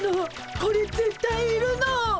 これぜったいいるの！